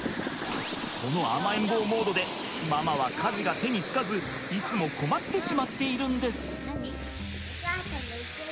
この甘えん坊モードでママは家事が手につかずいつも困ってしまっているんです。